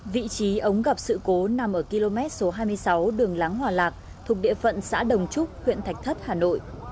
vị trí ống gặp sự cố nằm ở km số hai mươi sáu đường lắng hòa lạc thuộc địa phận xã đồng trúc huyện thạch thất hà nội